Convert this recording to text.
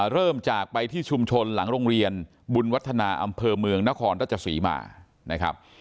เริ่มจากไปที่ชุมชนหลังโรงเรียนบุญวัฒนาอำเภอเมืองนครราชศรีมานะครับ